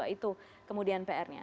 itu kemudian pr nya